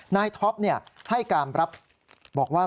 นายท็อปเนี่ยให้การรับบอกว่า